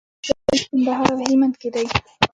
لمر ګل په کندهار او هلمند کې دی.